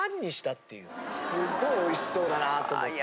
すごいおいしそうだなと思って。